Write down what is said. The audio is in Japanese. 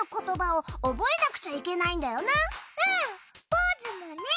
ポーズもね。